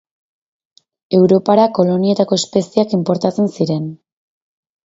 Europara kolonietako espeziak inportatzen ziren.